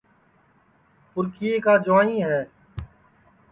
پُرکھیئے کا جُوائیں ہے